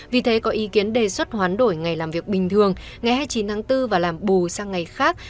vì thế có ý kiến đề xuất hoán đổi ngày làm việc bình thường ngày hai mươi chín tháng bốn và làm bù sang ngày khác